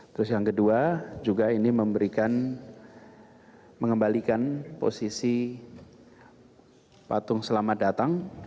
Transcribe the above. terus yang kedua juga ini memberikan mengembalikan posisi patung selamat datang